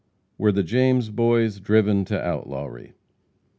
Were the James boys driven to outlawry?